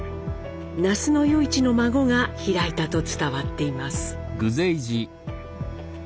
那須与一の孫が開いたと伝わっています。